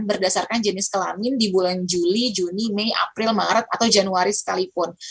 berdasarkan jenis kelamin di bulan juli juni mei april maret atau januari sekalipun